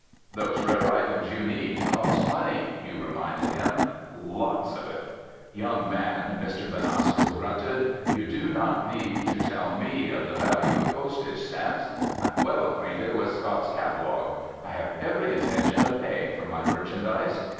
"Those rare items you need cost money," Hugh reminded him. "Lots of it." "Young man," Mr. Benasco grunted, "you do not need to tell me of the value of postage stamps. I'm well acquainted with Scott's catalogue. I have every intention of paying for my merchandise."